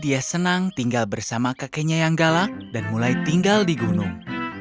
dia senang tinggal bersama kakeknya yang galak dan mulai tinggal di gunung